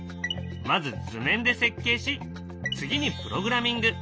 まず図面で設計し次にプログラミング。